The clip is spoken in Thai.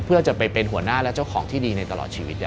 เพื่อจะไปเป็นหัวหน้าและเจ้าของที่ดีในตลอดชีวิต